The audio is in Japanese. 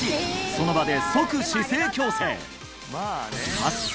その場で即姿勢矯正